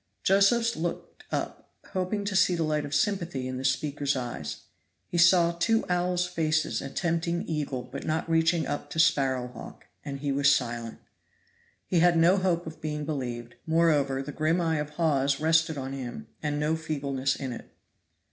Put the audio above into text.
Josephs looked up, hoping to see the light of sympathy in this speaker's eyes. He saw two owls' faces attempting eagle but not reaching up to sparrow hawk, and he was silent. He had no hope of being believed; moreover, the grim eye of Hawes rested on him, and no feebleness in it.